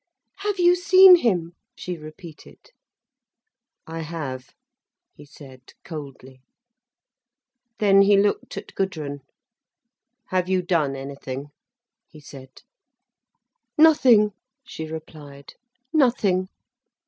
"Have you seen him?" she repeated. "I have," he said, coldly. Then he looked at Gudrun. "Have you done anything?" he said. "Nothing," she replied, "nothing."